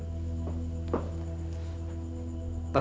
hai yang silakan